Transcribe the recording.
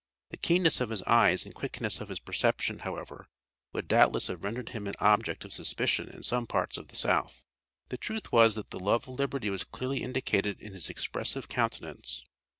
The keenness of his eyes and quickness of his perception, however, would doubtless have rendered him an object of suspicion in some parts of the South. The truth was that the love of liberty was clearly indicated in his expressive countenance.